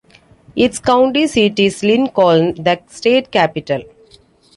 Its county seat is Lincoln, the state capital.